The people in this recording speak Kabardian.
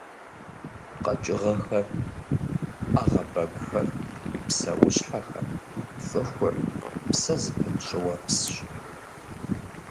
КъэкӀыгъэхэр, Ӏэгъэбэгухэр, псэущхьэхэр, цӀыхур – псэ зыпыт щӀыуэпсщ.